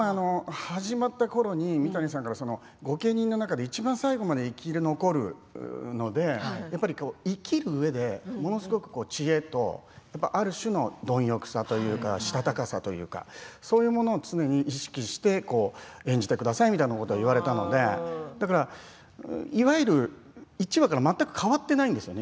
始まったころに三谷さんから御家人の中でいちばん最後まで生き残るので生きるうえでものすごく知恵と、ある種の貪欲さというかしたたかさというかそういうものを常に意識して演じてくださいみたいなことを言われたのでいわゆる、１話から全く変わっていないんですね